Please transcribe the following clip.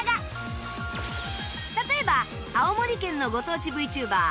例えば青森県のご当地 ＶＴｕｂｅｒ